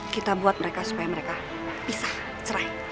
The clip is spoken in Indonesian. kita buat mereka supaya mereka bisa cerai